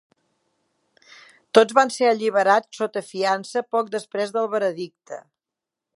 Tots van ser alliberats sota fiança poc després del veredicte.